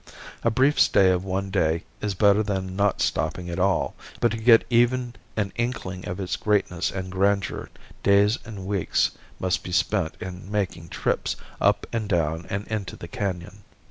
A brief stay of one day is better than not stopping at all, but to get even an inkling of its greatness and grandeur days and weeks must be spent in making trips up and down and into the canon.